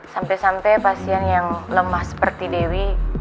sampai sampai pasien yang lemah seperti dewi